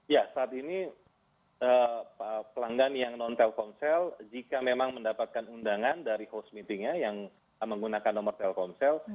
ya saat ini pelanggan yang non telkomsel jika memang mendapatkan undangan dari host meetingnya yang menggunakan nomor telkomsel